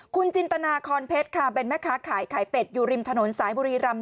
คุณจินตนาคอนเพชรค่ะเป็นแม่ค้าขายไข่เป็ดอยู่ริมถนนสายบุรีรำ